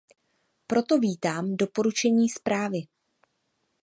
Proto vítám doporučení zprávy.